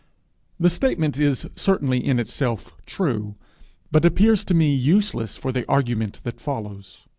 The statement is certainly in itself true, but appears to me useless for the argument that follows.